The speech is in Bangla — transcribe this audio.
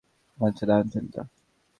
ও আচ্ছা, দারুণ চিন্তা।